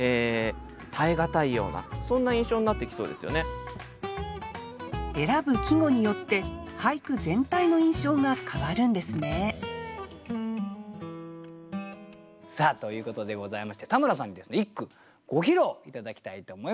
明るいかといわれると選ぶ季語によって俳句全体の印象が変わるんですねさあということでございまして田村さんにですね一句ご披露頂きたいと思います。